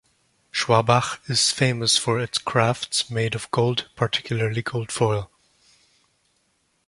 Schwabach is famous for its crafts made of gold, particularly gold foil.